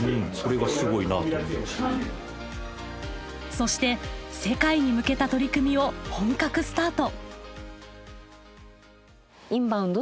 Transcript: そして世界に向けた取り組みを本格スタート。